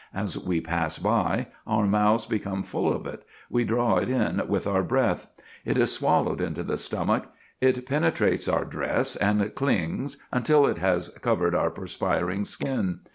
As we pass by, our mouths become full of it, we draw it in with our breath. It is swallowed into the stomach, it penetrates our dress and clings until it has covered our perspiring skin.